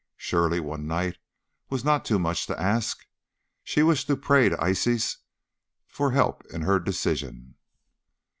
Surely one night was not too much to ask. She wished to pray to Isis for help in her decision.